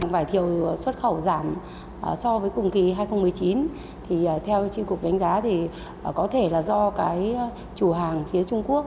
vải thiều xuất khẩu giảm so với cùng kỳ hai nghìn một mươi chín thì theo tri cục đánh giá thì có thể là do cái chủ hàng phía trung quốc